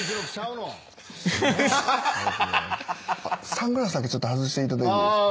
サングラスだけちょっと外していただいていいですか？